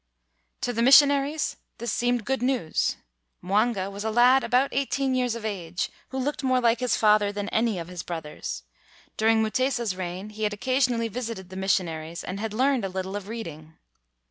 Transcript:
To the missionaries this seemed good news. Mwanga was a lad about eighteen years of age who looked more like his father than any of his brothers. During Mutesa's reign, he had occasionally visited the mis sionaries and had learned a little of read ing.